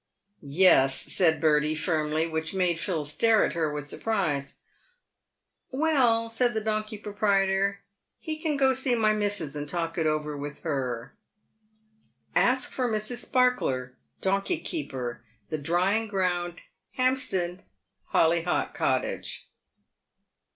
" Yes," said Bertie, firmly, which made Phil stare at her with surprise. " "Well," said the donkey proprietor, " he can go see my missus, and talk it over with her. Ask for Mrs. Sparkler, donkey keeper, the Drying ground, Hampstead, Hollvhock Cottage."